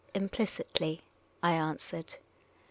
" Implicitly," I an swered.